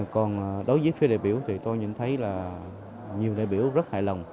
còn đối với phía đại biểu thì tôi nhận thấy là nhiều đại biểu rất hài lòng